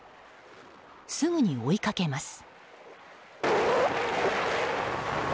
すぐに追いかけます。